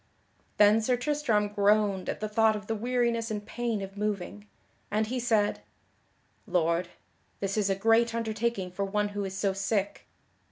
Then Sir Tristram groaned at the thought of the weariness and pain of moving, and he said: "Lord, this is a great undertaking for one who is so sick.